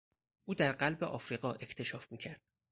او در قلب آفریقا اکتشاف میکرد.